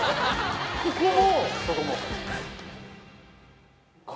ここも！